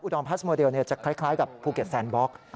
ดอมพัสโมเดลจะคล้ายกับภูเก็ตแซนบล็อก